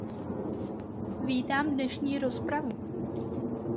Vítám dnešní rozpravu.